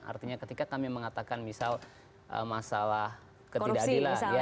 artinya ketika kami mengatakan misal masalah ketidakadilan